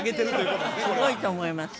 これはすごいと思います